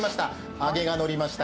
揚げがのりました。